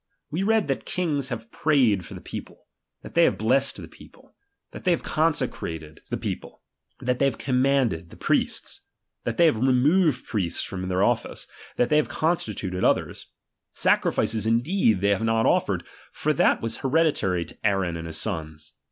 We read that tings have prayed for the people ; that they have blessed the people ; that they have consecrated the BAP. XVI. temple ; that they have commanded the priests ; that they have removed priests from their office ; that they have constituted others. Sacrifices in deed they have not offered ; for that was hereditary to Aaron and his sons.